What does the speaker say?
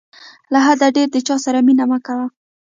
له حده ډېر د چاسره مینه مه کوه.